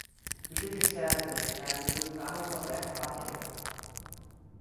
O Júlio César é amigo do Carlos Alberto Parreira.